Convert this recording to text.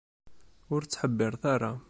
Ur ttḥebbiret ara.